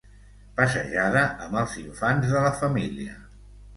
Passejada amb els infants de la família.